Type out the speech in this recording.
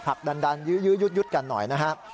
ผลักดันยื้อยุดกันหน่อย